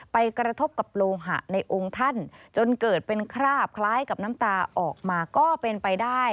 กระทบกับโลหะในองค์ท่านจนเกิดเป็นคราบคล้ายกับน้ำตาออกมาก็เป็นไปได้